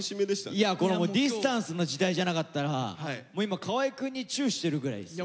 いやこれもうディスタンスの時代じゃなかったらもう今河合くんにチューしてるぐらいですよ。